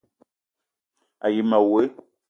A yi ma woe :